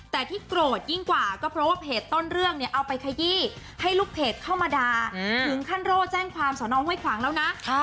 แต่ที่โกรธยิ่งกว่าก็เพราะว่าเพจต้นเรื่องเนี่ยเอาไปขยี้ให้ลูกเพจเข้ามาด่าถึงขั้นโร่แจ้งความสนห้วยขวางแล้วนะ